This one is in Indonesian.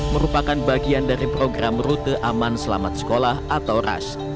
merupakan bagian dari program rute aman selamat sekolah atau ras